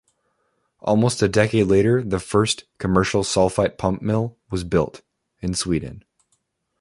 Almost a decade later, the first commercial sulfite pulp mill was built, in Sweden.